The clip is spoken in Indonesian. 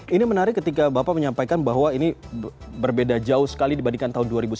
ini menarik ketika bapak menyampaikan bahwa ini berbeda jauh sekali dibandingkan tahun dua ribu sembilan belas